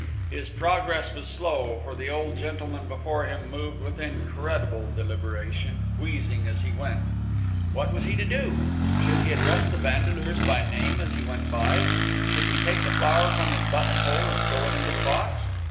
His progress was slow, for the old gentleman before him moved with incredible deliberation, wheezing as he went. What was he to do? Should he address the Vandeleurs by name as he went by? Should he take the flower from his button hole and throw it into the box?